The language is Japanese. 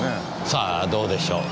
さあどうでしょう。